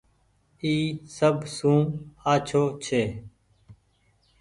اي سب سون آڇو ڇي۔